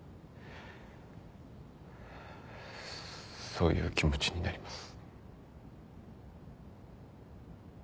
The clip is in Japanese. そういう気持ちになります。